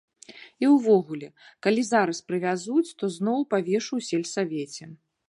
І ўвогуле, калі зараз прывязуць, то зноў павешу ў сельсавеце.